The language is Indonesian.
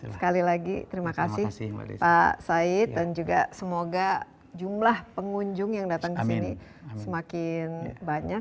sekali lagi terima kasih pak said dan juga semoga jumlah pengunjung yang datang ke sini semakin banyak